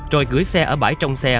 rồi gửi xe ở bãi trong xe